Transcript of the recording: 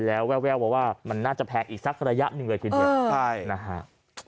แล้วแววมาว่ามันน่าจะแพงอีกสักระยะหนึ่งเลยทีเดียวใช่นะฮะ